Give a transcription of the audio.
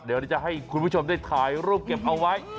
เดี๋ยวจะให้คุณผู้ชมได้ถ่ายรูปเก็บเอาไว้